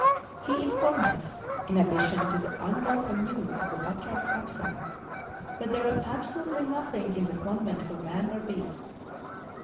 He in¬ formed us, in addition to the unwelcome news of MOUNT LEBANON. 203 the Batrah's absence, that there was absolutely no¬ thing in the convent for man or beast.